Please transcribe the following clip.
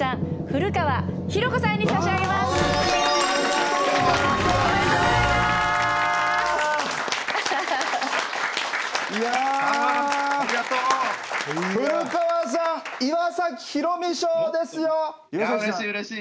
古川さん岩崎宏美賞ですよ！